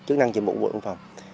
chức năng trị mụn bộ đồng phòng